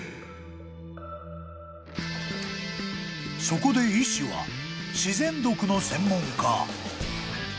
［そこで医師は自然毒の専門家］